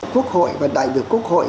quốc hội và đại biểu quốc hội